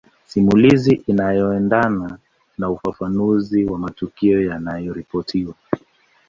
Simulizi inayoendana na ufafanuzi wa matukio yanayoripotiwa